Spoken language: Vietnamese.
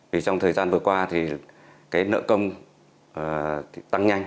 vì trong thời gian vừa qua thì cái nợ công tăng nhanh